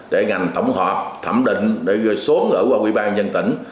để ngành tổng hợp thẩm định xuống ở qua quỹ ban dân tỉnh